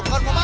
mau mau makan